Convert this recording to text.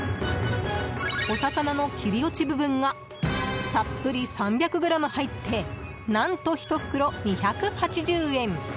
お魚の切り落ち部分がたっぷり３００ｇ入って何と１袋２８０円。